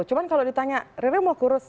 cuma kalau ditanya riri mau kurus